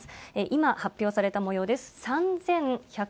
今、発表されたもようです。